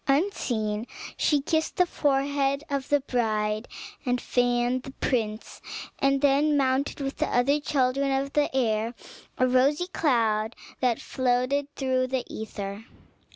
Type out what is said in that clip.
Unseen she kissed the forehead of her bride, and fanned the prince, and then mounted with the other children of the air to a rosy cloud that floated through the aether.